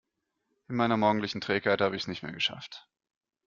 In meiner morgendlichen Trägheit habe ich es nicht mehr geschafft.